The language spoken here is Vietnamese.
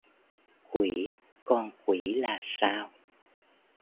Quỷ con quỷ là sao